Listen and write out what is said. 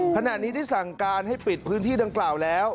ขณะนี้ได้สั่งการให้ปิดพื้นที่ดังกล่าวแล้ว